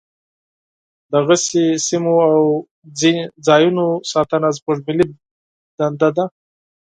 دغسې سیمو او ځاینونو ساتنه زموږ ملي دنده ده.